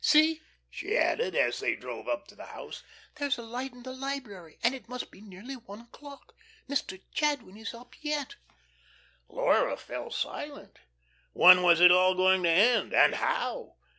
See," she added, as they drove up to the house, "there's a light in the library, and it must be nearly one o'clock. Mr. Jadwin is up yet." Laura fell suddenly silent. When was it all going to end, and how?